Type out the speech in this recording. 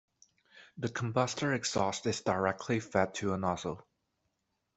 The combustor exhaust is directly fed to a nozzle.